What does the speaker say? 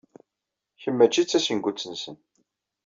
Kemm mačči d tacengut-nsent.